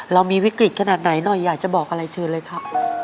เรามีวิกฤตขนาดไหนหน่อยอยากจะบอกอะไรเชิญเลยครับ